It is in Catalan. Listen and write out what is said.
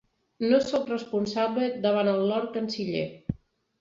No soc responsable davant el Lord Canciller.